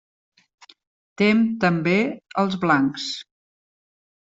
Tem també els Blancs.